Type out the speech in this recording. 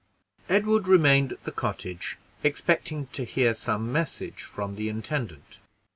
Edward remained at the cottage, expecting to bear some message from the intendant.